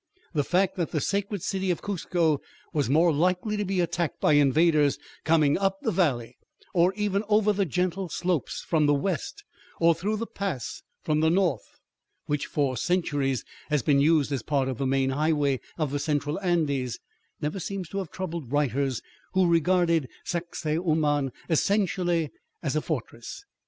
The fact that the sacred city of Cuzco was more likely to be attacked by invaders coming up the valley, or even over the gentle slopes from the west, or through the pass from the north which for centuries has been used as part of the main highway of the central Andes, never seems to have troubled writers who regarded Sacsahuaman essentially as a fortress.